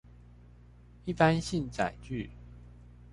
一般性載具